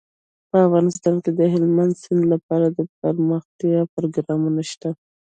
په افغانستان کې د هلمند سیند لپاره د پرمختیا پروګرامونه شته.